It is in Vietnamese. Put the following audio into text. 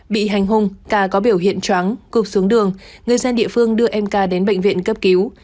bị hành hung k có biểu hiện chóng cột xuống đường người dân địa phương đưa em k đến bệnh viện cấp cứu